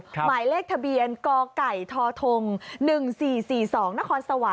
หมายเลขทะเบียนกไก่ทธง๑๔๔๒นสว